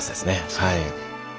はい。